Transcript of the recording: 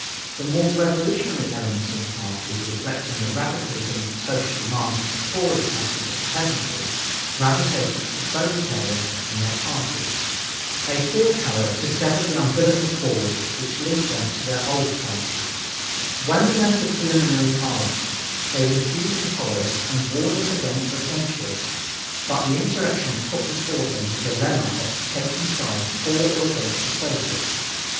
The more revolutionary elements of the party, reflecting the radicalism of the social demands of the poorest masses of the peasantry, gravitated to the proletariat and their party. They feared, however, to sever the umbilical cord which linked them to their old party. When we left the Preliminary Parliament, they refused to follow us and warned us against "adventurers," but the insurrection put before them the dilemma of taking sides for or against the Soviets.